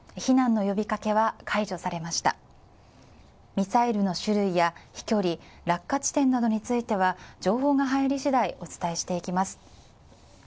ミサイルの種類や飛距離、落下地点については情報が入りしだいお伝えしていきます。